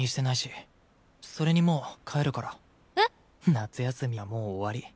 夏休みはもう終わり。